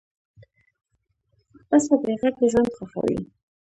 پسه بېغږه ژوند خوښوي.